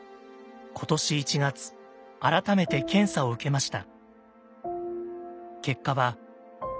今年１月改めて検査を受けました。